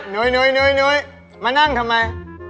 นุ้ยมานั่งทำไม